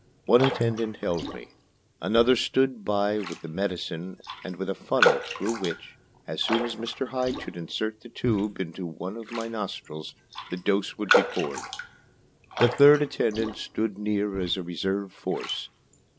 One attendant held me. Another stood by with the medicine and with a funnel through which, as soon as Mr. Hyde should insert the tube in one of my nostrils, the dose was to be poured. The third attendant stood near as a reserve force.